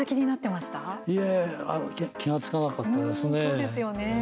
いえいえ気が付かなかったですね。